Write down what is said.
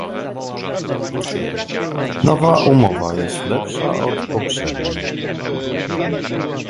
Nowa umowa jest lepsza od poprzedniej